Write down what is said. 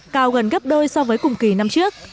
cao gần gấp đôi so với cùng kỳ năm trước